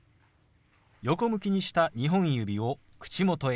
横向きにした２本指を口元へ。